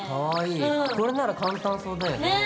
これなら簡単そうだよね。